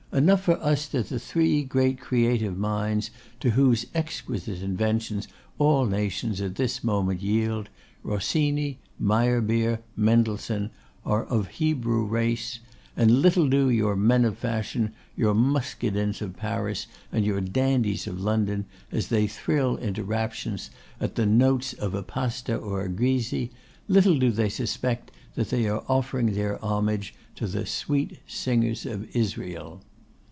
Enough for us that the three great creative minds to whose exquisite inventions all nations at this moment yield, Rossini, Meyerbeer, Mendelssohn, are of Hebrew race; and little do your men of fashion, your muscadins of Paris, and your dandies of London, as they thrill into raptures at the notes of a Pasta or a Grisi, little do they suspect that they are offering their homage to "the sweet singers of Israel!"